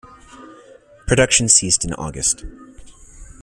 Production ceased in August.